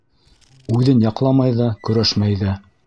Үҙен яҡламай ҙа, көрәшмәй ҙә.